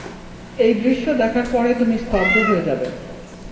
এই দৃশ্য দেখার পরে তুমি স্তব্ধ হয়ে যাবে।